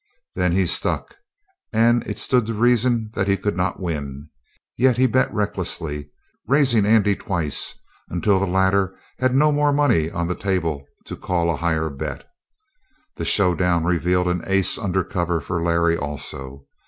There he stuck, and it stood to reason that he could not win. Yet he bet recklessly, raising Andy twice, until the latter had no more money on the table to call a higher bet. The showdown revealed an ace under cover for Larry also.